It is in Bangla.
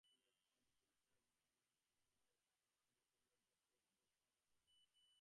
ইস্কুলের পণ্ডিতমশায় বরদার নাম দিয়াছিলেন, গোতমমুনি।